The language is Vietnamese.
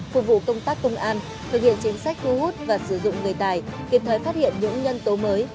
phục vụ công tác công an thực hiện chính sách thu hút và sử dụng người tài kịp thời phát hiện những nhân tố mới